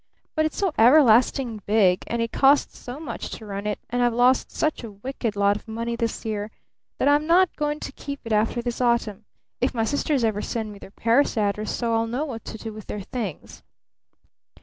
But it's so everlasting big, and it costs so much to run it, and I've lost such a wicked lot of money this year, that I'm not going to keep it after this autumn if my sisters ever send me their Paris address so I'll know what to do with their things."